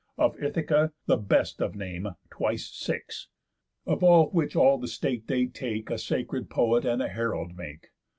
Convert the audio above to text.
Of Ithaca, the best of name, Twice six. Of all which all the state they take A sacred poet and a herald make.